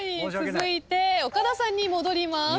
続いて岡田さんに戻ります。